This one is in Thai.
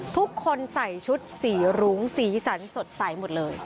ทุกคนใส่ชุดสีรุ้งสีสันสดใสหมดเลย